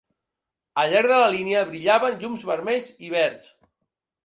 Al llarg de la línia brillaven llums vermells i verds.